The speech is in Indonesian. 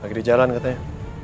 lagi di jalan katanya